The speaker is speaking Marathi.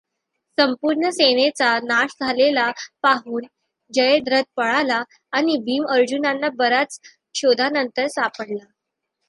संपूर्ण सेनेचा नाश झालेला पाहून जयद्रथ पळाला, आणि भीम अर्जुनांना बऱ्याच शोधानंतर सापडला.